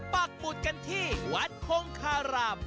ปากบุตรกันที่วัดโคงคารำ